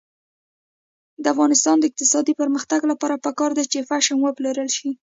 د افغانستان د اقتصادي پرمختګ لپاره پکار ده چې پشم وپلورل شي.